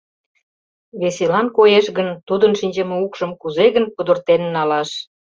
Веселан коеш гын, тудын шинчыме укшым кузе гын пудыртен налаш.